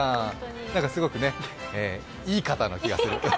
なんかすごくね、いい方な気がする。